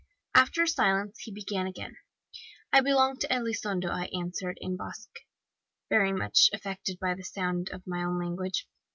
After a silence, he began again. "'I belong to Elizondo,' I answered in Basque, very much affected by the sound of my own language.